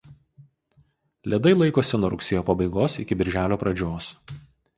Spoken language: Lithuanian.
Ledai laikosi nuo rugsėjo pabaigos iki birželio pradžios.